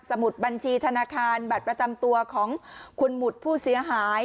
มุดบัญชีธนาคารบัตรประจำตัวของคุณหมุดผู้เสียหาย